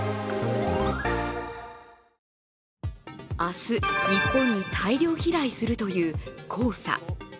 明日、日本に大量飛来するという黄砂。